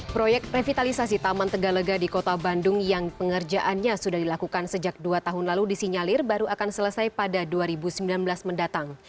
proyek revitalisasi taman tegalega di kota bandung yang pengerjaannya sudah dilakukan sejak dua tahun lalu disinyalir baru akan selesai pada dua ribu sembilan belas mendatang